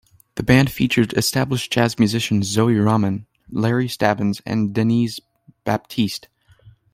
The band features established jazz musicians Zoe Rahman, Larry Stabbins and Denys Baptiste.